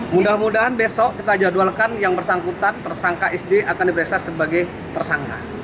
mudah mudahan besok kita jadwalkan yang bersangkutan tersangka sd akan diperiksa sebagai tersangka